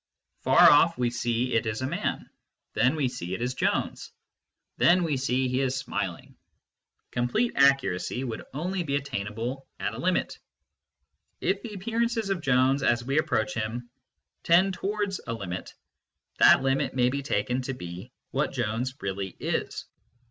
Far off, we see it is a man ; then we see it is Jones ; then we see he is smiling. Complete accuracy would only be attainable as a limit : if the appearances of Jones as we approach him tend towards a limit, that limit may be taken to be what Jones really is.